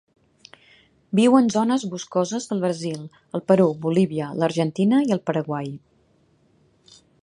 Viu en zones boscoses del Brasil, el Perú, Bolívia, l'Argentina i el Paraguai.